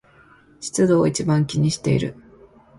湿度を一番気にしている